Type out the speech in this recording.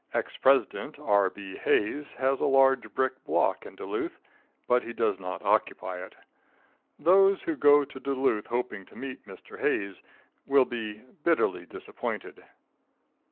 Ex President R. B. Hayes has a large brick block in Duluth, but he does not occupy it. Those who go to Duluth hoping to meet Mr. Hayes will be bitterly disappointed.